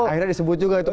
akhirnya disebut juga itu